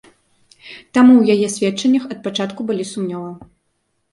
Таму ў яе сведчаннях ад пачатку былі сумневы.